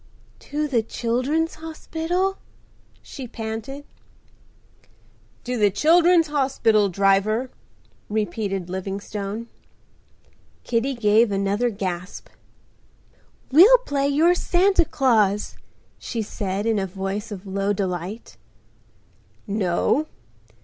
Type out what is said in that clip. "To the Children's Hospital," she panted. "To the Children's Hospital, driver," repeated Livingstone. Kitty gave another gasp. "We'll play you're Santa Claus," she said, in a voice of low delight. "No.